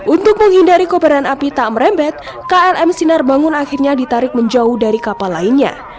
untuk menghindari kobaran api tak merembet klm sinar bangun akhirnya ditarik menjauh dari kapal lainnya